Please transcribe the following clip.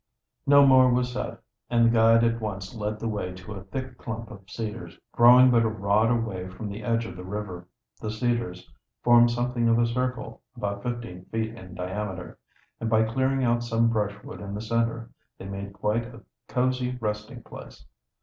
No more was said, and the guide at once led the way to a thick clump of cedars growing but a rod away from the edge of the river. The cedars formed something of a circle, about fifteen feet in diameter, and by clearing out some brushwood in the center they made quite a cozy resting place.